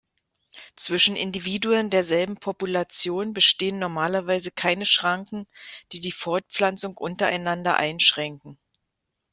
Zwischen Individuen derselben Population bestehen normalerweise keine Schranken, die die Fortpflanzung untereinander einschränken.